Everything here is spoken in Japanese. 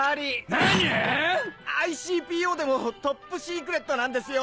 何⁉ＩＣＰＯでもトップシークレットなんですよ！